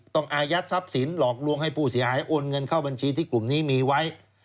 อายัดทรัพย์สินหลอกลวงให้ผู้เสียหายโอนเงินเข้าบัญชีที่กลุ่มนี้มีไว้